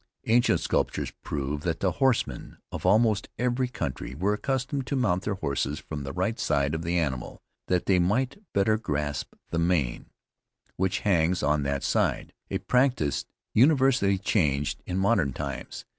Ancient sculptors prove that the horsemen of almost every country were accustomed to mount their horses from the right side of the animal, that they might the better grasp the mane, which hangs on that side, a practice universally changed in modern times.